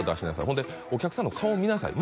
「ほんでお客さんの顔を見なさい」